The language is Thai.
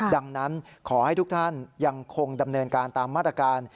ดังนั้นขอให้ทุกท่านยังคงดำเนินการตามมาตรการ